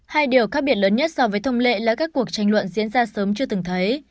hai điều khác biệt lớn nhất so với thông lệ là các cuộc tranh luận diễn ra sớm chưa từng thấy